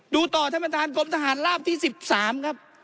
ดูต่อท่านประธานกรมทหารราบที่๑๓ครับ